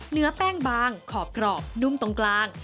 เนื้อแป้งบางขอบกรอบนุ่มตรงกลาง